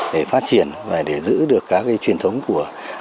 để phát triển và để giữ được các truyền thống của